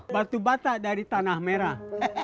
batu bata dari tanah merah